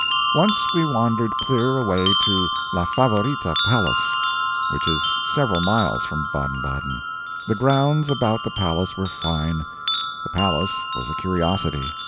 Once we wandered clear away to La Favorita Palace, which is several miles from Baden Baden. The grounds about the palace were fine; the palace was a curiosity.